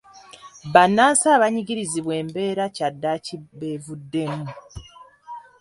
Bannansi abanyigirizibwa embeera kyaddaaki beevuddemu.